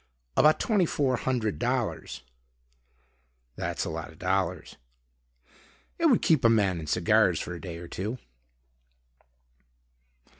"About twenty four hundred dollars." "That's a lot of dollars." "It would keep a man in cigars for a day or two."